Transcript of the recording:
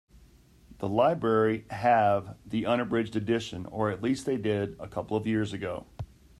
The library have the unabridged edition, or at least they did a couple of years ago.